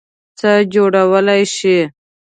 څه جوړوئ شی؟